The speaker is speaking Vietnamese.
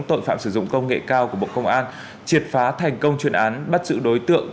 tội phạm sử dụng công nghệ cao của bộ công an triệt phá thành công chuyên án bắt giữ đối tượng